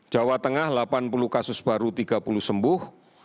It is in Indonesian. jawa tengah delapan puluh kasus baru tiga puluh sembuh